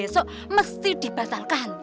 jangan besok mesti dibatalkan yuk